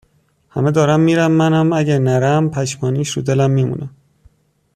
همه دارن میرن منم اگه نرم پشیمانی اش رو دلم میمونه